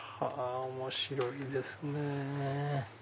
面白いですね。